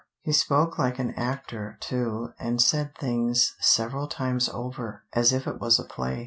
He spoke like an actor, too, and said things several times over, as if it was a play.